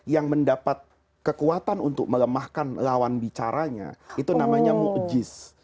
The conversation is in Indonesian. yang mendapat kekuatan untuk melemahkan lawan bicaranya itu namanya mukjiz